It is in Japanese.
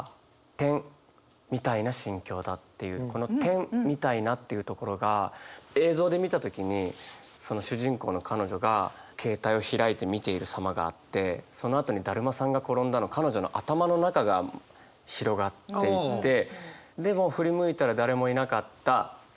この「、みたいな」っていうところが映像で見た時にその主人公の彼女が携帯を開いて見ているさまがあってそのあとに「だるまさんがころんだ」の彼女の頭の中が広がっていてでも「振り向いたらだれもいなかった、」。